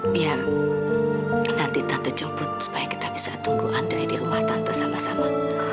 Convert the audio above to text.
biar nanti tante jemput supaya kita bisa tunggu andri di rumah tante sama sama